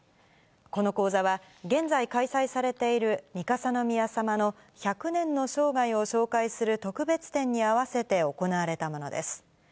この講座は、現在、開催されている三笠宮さまの１００年の生涯を紹介する特別展に合わせて行われたものです。